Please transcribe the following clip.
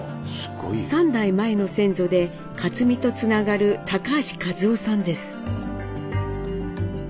３代前の先祖で克実とつながる橋一夫さんです。